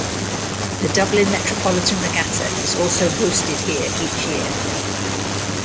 The Dublin Metropolitan Regatta is also hosted here each year.